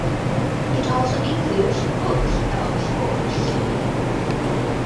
It also includes books about sports.